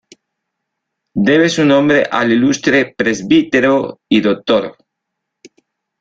Debe su nombre al ilustre Presbítero y Dr.